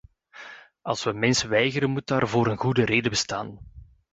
Als we mensen weigeren moet daarvoor een goede reden bestaan.